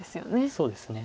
そうですね。